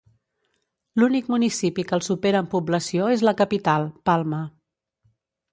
L'únic municipi que el supera en població és la capital, Palma.